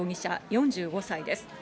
４５歳です。